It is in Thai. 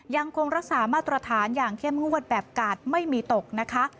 ยังคงรักษามาตรฐานอย่างเข้มงวดแบบกาดไม่มีตกนะคะ